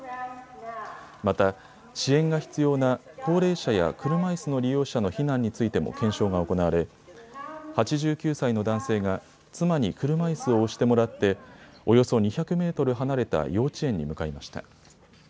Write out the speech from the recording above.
また支援が必要な高齢者や車いすの利用者の避難についても検証が行われ８９歳の男性が妻に車いすを押してもらっておよそ２００メートル離れた幼稚園に向かいました。